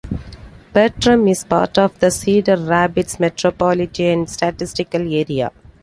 Bertram is part of the Cedar Rapids Metropolitan Statistical Area.